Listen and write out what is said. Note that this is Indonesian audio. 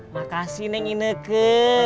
makasih neng ineke